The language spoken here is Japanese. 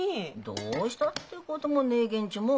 どうしたってこともねえげんちょも。